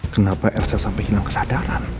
kenapa elsa sampai hilang kesadaran